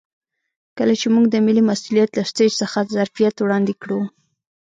کله چې موږ د ملي مسوولیت له سټیج څخه ظرفیت وړاندې کړو.